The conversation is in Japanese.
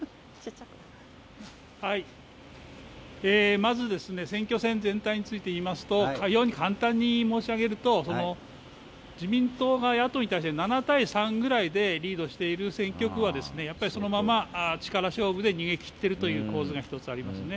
まず、選挙戦全体についていいますと非常に簡単に申し上げると自民党が野党に対して７対３ぐらいでリードしている選挙区は、やっぱりそのまま力勝負で逃げ切っているという構図がありますね。